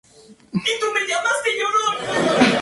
Allí conoce a una muchacha con la que tiene una relación.